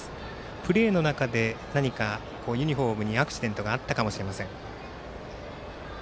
プレーの中で何かユニフォームにアクシデントがあったかもしれません。